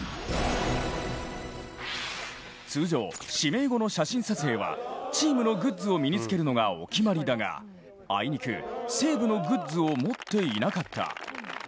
通常、指名後の写真撮影はチームのグッズを身に着けるのがお決まりだがあいにく西武のグッズを持っていなかった。